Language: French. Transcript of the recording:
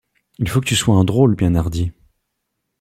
Il faut que tu sois un drôle bien hardi!